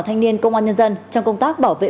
thanh niên công an nhân dân trong công tác bảo vệ